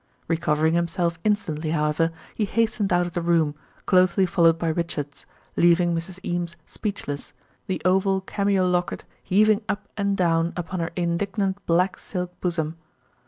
Recovering himself instantly, however, he hastened out of the room, closely followed by Richards, leaving Mrs. Eames speechless, the oval cameo locket heaving up and down upon her indignant black silk bosom.